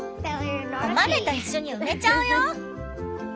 お豆といっしょに埋めちゃうよ！